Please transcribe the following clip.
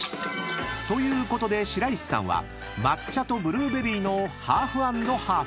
［ということで白石さんは抹茶とブルーベリーのハーフアンドハーフ］